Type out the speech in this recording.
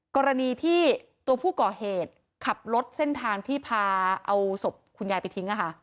กรณีที่ตัวผู้ก่อเหตุขับรถเส้นทางที่พาเอาศพคุณยายไปทิ้ง